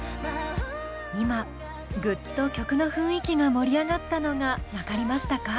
今ぐっと曲の雰囲気が盛り上がったのが分かりましたか？